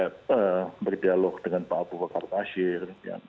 saya berdialog dengan pak abu bakar basir